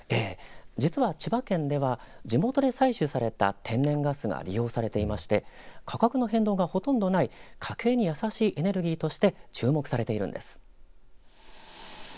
実は千葉県では地元で採取された天然ガスが利用されていまして価格の変動がほとんどない家計に優しいエネルギーとして注目されているんです。